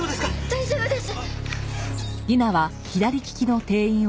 大丈夫です。